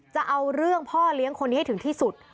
จะเอาเรื่องพ่อเลี้ยงคนนี้ให้ถึงที่สุด